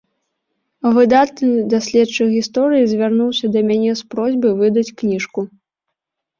Выдатны даследчык гісторыі звярнуўся да мяне з просьбай выдаць кніжку.